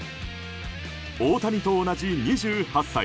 大谷と同じ２８歳。